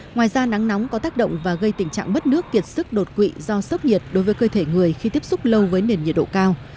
ngoài ra nắng nóng có tác động và gây tình trạng bất nước kiệt sức đột quỵ do sốc nhiệt đối với cơ thể người khi tiếp xúc lâu với nền nhiệt độ cao